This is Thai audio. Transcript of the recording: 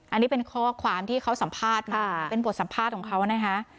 อันนี้เป็นข้อความที่เขาสัมภาษณ์มาเป็นบทสัมภาษณ์ของเขานะคะ